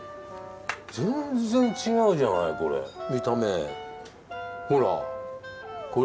全然違うじゃないこれ。